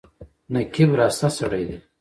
نقيب راسته سړی دی.